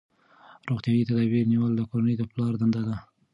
روغتیايي تدابیر نیول د کورنۍ د پلار دنده ده.